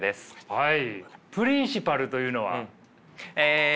はい。